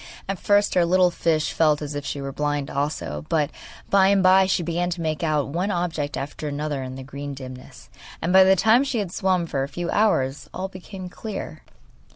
At first our little fish felt as if she were blind also, but by and by she began to make out one object after another in the green dimness, and by the time she had swum for a few hours all became clear.